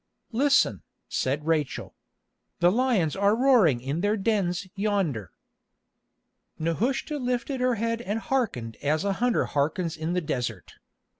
"Listen," said Rachel. "The lions are roaring in their dens yonder." Nehushta lifted her head and hearkened as a hunter hearkens in the desert.